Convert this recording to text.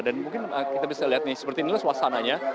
dan mungkin kita bisa lihat nih seperti inilah suasananya